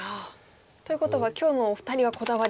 ということは今日のお二人はこだわりタイプ。